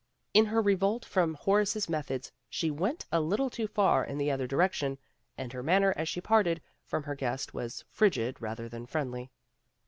In her revolt from Horace's methods she went a little too far in the other direction, and her manner as she parted from her guest was frigid rather than friendly.